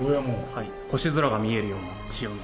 星空が見えるような仕様に。